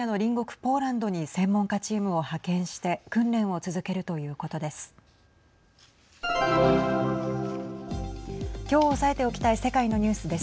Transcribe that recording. ポーランドに専門家チームを派遣して訓練を続けるということです。